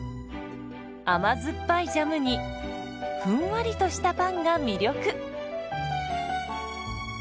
甘酸っぱいジャムにふんわりとしたパンが魅力。